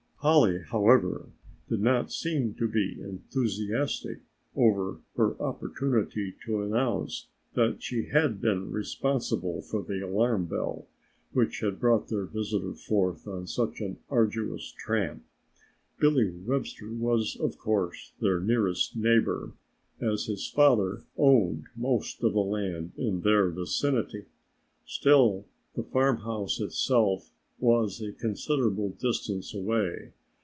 Polly, however, did not seem to be enthusiastic over her opportunity to announce that she had been responsible for the alarm bell which had brought their visitor forth on such an arduous tramp. Billy Webster was of course their nearest neighbor, as his father owned most of the land in their vicinity, still the farm house itself was a considerable distance away.